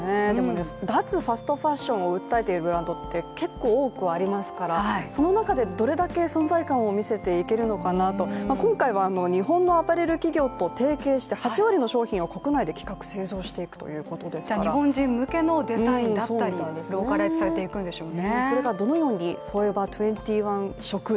脱ファストファッションを訴えているブランドって結構多くありますから、その中でどれだけ存在感を見せていけるのかなと今回は日本のアパレル企業と提携して８割の商品を国内で企画・製造していくということですから、日本人向けのデザインだったりローカライズされていくんでしょうね。